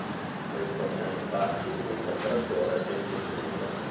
Questo è infatti un operatore ben definito.